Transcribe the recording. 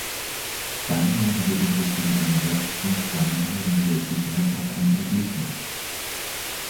Dann haben wir den richtigen Ansatz, und dann haben wir sicher auch ein Ergebnis.